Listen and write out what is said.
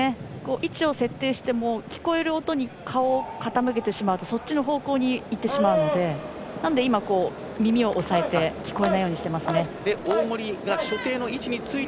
位置を設定しても聞こえる音に顔を傾けてしまうとそっちの方向に行ってしまうのでなので、耳を押さえて聞こえないようにしていましたね。